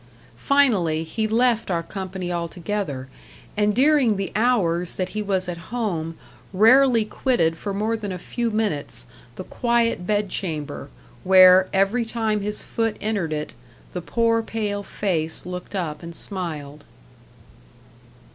Finally, he left our company altogether, and during the hours that he was at home rarely quitted for more than a few minutes the quiet bed chamber, where, every time his foot entered it, the poor pale face looked up and smiled.